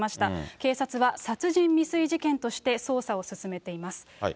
警察は殺人未遂事件として捜査を進めています。